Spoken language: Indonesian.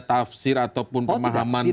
tafsir ataupun pemahaman